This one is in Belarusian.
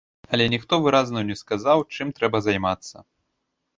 Але ніхто выразна не сказаў, чым трэба займацца.